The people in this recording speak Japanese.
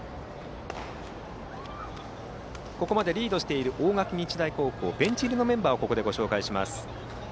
ここまでリードしている大垣日大高校のベンチ入りのメンバーです。